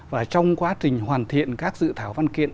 và trong quá trình hoàn thiện các dự thảo văn kiện